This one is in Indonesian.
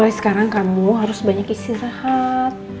mulai sekarang kamu harus banyak istirahat